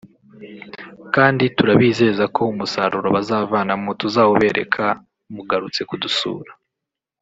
kandi turabizeza ko umusaruro bazavanamo tuzawubereka mu garutse kudusura